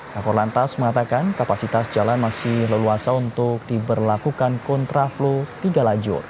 kakor lantas mengatakan kapasitas jalan masih leluasa untuk diberlakukan kontraflow tiga lajur